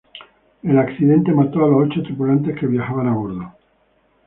El accidente mató a los ocho tripulantes que viajaban a bordo.